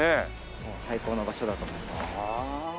もう最高の場所だと思います。